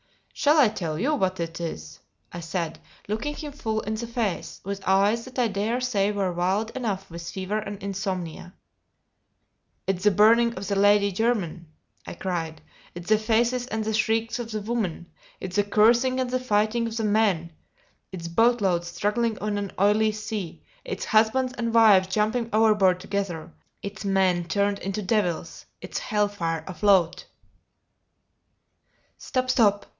"Shall I tell you what it is?" I said, looking him full in the face, with eyes that I dare say were wild enough with fever and insomnia. "It's the burning of the Lady Jermyn!" I cried. "It's the faces and the shrieks of the women; it's the cursing and the fighting of the men; it's boat loads struggling in an oily sea; it's husbands and wives jumping overboard together; it's men turned into devils, it's hell fire afloat " "Stop! stop!"